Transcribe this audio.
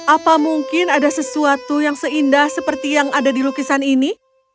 apa mungkin ada sesuatu yang seindah seperti yang ada di lukisan ini